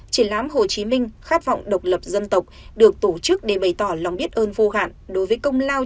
triển lãm hồ chí minh khát vọng độc lập dân tộc được tổ chức để bày tỏ lòng biết ơn vô hạn đối với công lao